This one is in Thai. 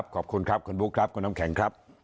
ขอบคุณครับคุณบุ๊คครับคุณน้ำแข็งครับ